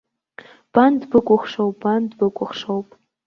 Бан дбыкәыхшоуп, бан дбыкәыхшоуп!